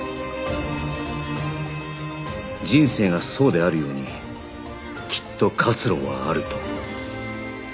人生がそうであるようにきっと活路はあると